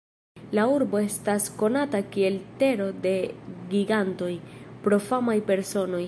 La urbo estas konata kiel "Tero de Gigantoj" pro famaj personoj.